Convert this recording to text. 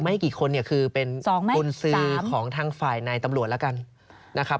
ไม่กี่คนเนี่ยคือเป็นกุญสือของทางฝ่ายในตำรวจแล้วกันนะครับ